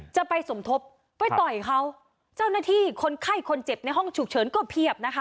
จะไปสมทบไปต่อยเขาเจ้าหน้าที่คนไข้คนเจ็บในห้องฉุกเฉินก็เพียบนะคะ